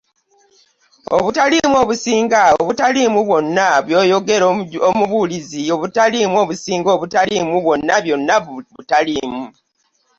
Obutaliimu obusinga obutaliimu bwonna, bw'ayogera Omubuulizi; obutaliimu obusinga obutaliimu bwonna, byonna butaliimu.